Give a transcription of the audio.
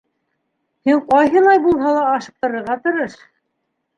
Һин ҡайһылай булһа ла ашыҡтырырға тырыш.